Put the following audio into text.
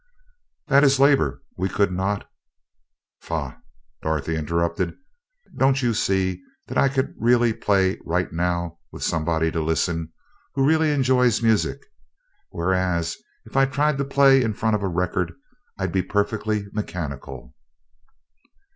"That is labor. We could not...." "Piffle!" Dorothy interrupted. "Don't you see that I could really play right now, with somebody to listen, who really enjoys music; whereas, if I tried to play in front of a record, I'd be perfectly mechanical?"